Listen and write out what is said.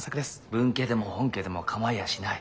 分家でも本家でも構いやしない。